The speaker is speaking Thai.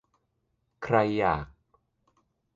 ใครอยาก